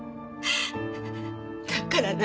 だから何？